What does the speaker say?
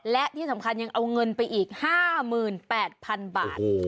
และที่สำคัญยังเอาเงินไปอีก๕๘๐๐๐บาท